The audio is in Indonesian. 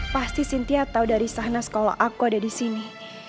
pasti sintia tau dari sahna sekolah aku ada disini